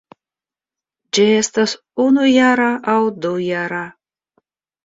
Ĝi estas unujara aŭ dujara.